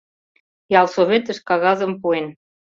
Ялсоветыш кагазым пуэн.